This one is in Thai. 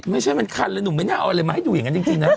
ไม่ใช่มันคันเลยหนุ่มไม่น่าเอาอะไรมาให้ดูอย่างนั้นจริงนะ